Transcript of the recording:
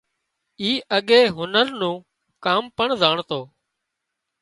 اي اڳي هنر نُون ڪام پڻ زانڻتو